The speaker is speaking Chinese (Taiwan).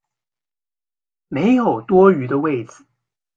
沒有多餘的位子